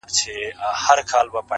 • زخمي ـ زخمي سترګي که زما وویني.